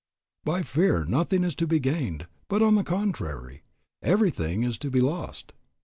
By fear nothing is to be gained, but on the contrary, everything is to be lost.